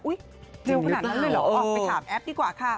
เร็วขนาดนั้นเลยเหรอออกไปถามแอปดีกว่าค่ะ